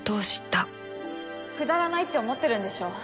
くだらないって思ってるんでしょ。